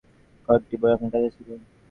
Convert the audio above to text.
কয়েকটি বই আমার কাছে ছিল।